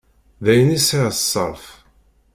D ayen i sεiɣ d ṣṣerf.